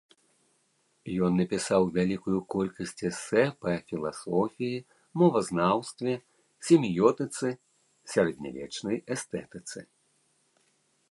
Ён напісаў вялікую колькасць эсэ па філасофіі, мовазнаўстве, семіётыцы, сярэднявечнай эстэтыцы.